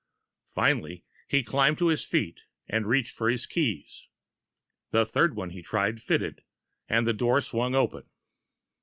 Finally, he climbed to his feet and reached for his keys. The third one he tried fitted, and the door swung open.